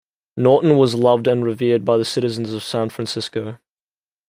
Norton was loved and revered by the citizens of San Francisco.